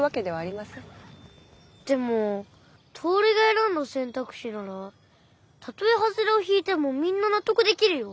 でもトオルが選んだ選択肢ならたとえハズレを引いてもみんな納得できるよ。